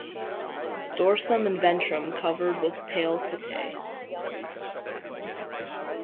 Dorsum and ventrum covered with pale setae.